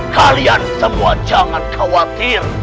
kalian semua jangan khawatir